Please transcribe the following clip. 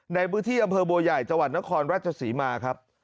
ในพื้นที่อำเภอบัวใหญ่จังหวัดนครราชศรีมาครับ